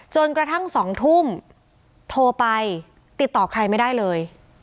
จนกระทั่ง๒ทุ่มโทรไปติดต่อใครไม่ได้เลย